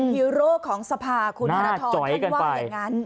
ฮีโร่ของสภาคุณธนทรท่านว่าอย่างนั้น